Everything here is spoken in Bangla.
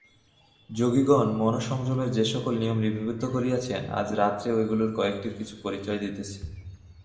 যোগিগণ মনঃসংযমের যে-সকল নিয়ম লিপিবদ্ধ করিয়াছেন, আজ রাত্রে ঐগুলির কয়েকটির কিছু পরিচয় দিতেছি।